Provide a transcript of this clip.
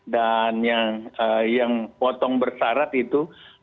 dan yang potong bersarat itu lima ratus tiga puluh tiga